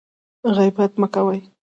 غیبت مه کوئ